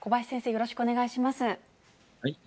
よろしくお願いします。